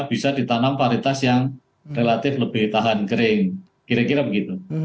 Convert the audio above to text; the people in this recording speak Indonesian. bisa ditanam paritas yang relatif lebih tahan kering kira kira begitu